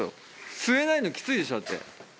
吸えないのキツいでしょだって。